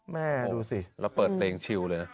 แม่ดูสิแล้วเปิดเร่งชิลเลยนะ